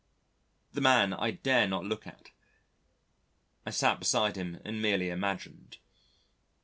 The man I dare not look at: I sat beside him and merely imagined.